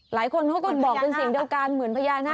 หลายคนเขาก็บอกเป็นเสียงเดียวกันเหมือนพญานาค